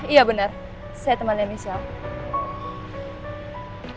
iya bener saya temannya michelle